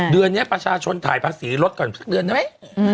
เดือนนี้ประชาชนถ่ายภาษีรถก่อนสักเดือนได้ไหม